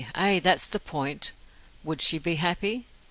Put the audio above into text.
Ay, that's the point. Would she be happy?